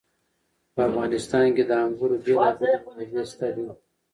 په افغانستان کې د انګورو بېلابېلې منابع شته دي.